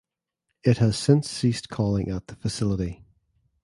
It has since ceased calling at the facility.